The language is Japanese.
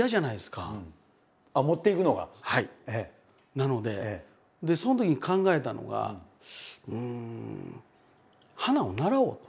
なのでそのときに考えたのがうん花を習おうと。